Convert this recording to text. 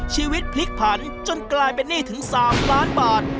ชีวิตพลิกผันจนกลายเป็นหนี้ถึง๓ล้านบาท